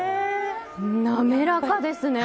滑らかですね！